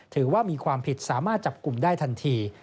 ถือว่ามีความผิดสามารถจับกลุ่มได้ทันที